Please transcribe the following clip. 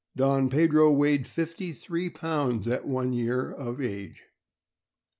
Don Pedro weighed fifty three pounds at one year of age.